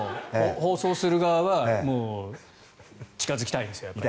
放送する側は近付きたいんです、やっぱり。